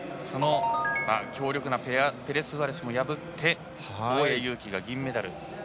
強力なペレスフアレスも破って大矢勇気、銀メダル。